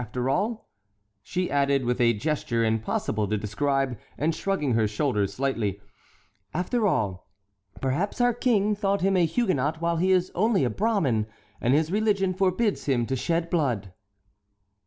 After all," she added, with a gesture impossible to describe, and shrugging her shoulders slightly, "after all, perhaps our King thought him a Huguenot while he is only a Brahmin, and his religion forbids him to shed blood."